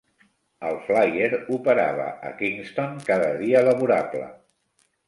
El Flyer operava a Kingston cada dia laborable.